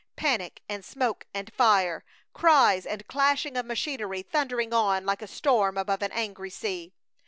Panic and smoke and fire! Cries and clashing of machinery thundering on like a storm above an angry sea!